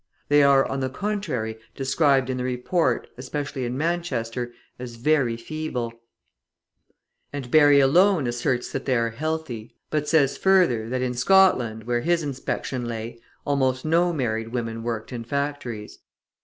They are, on the contrary, described in the report, especially in Manchester, as very feeble; and Barry alone asserts that they are healthy, but says further, that in Scotland, where his inspection lay, almost no married women worked in factories.